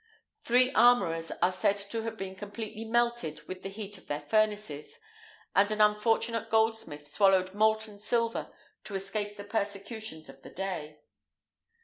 Three armourers are said to have been completely melted with the heat of their furnaces; and an unfortunate goldsmith swallowed molten silver to escape the persecutions of the day.